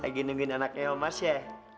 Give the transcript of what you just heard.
lagi nemin anaknya omas ya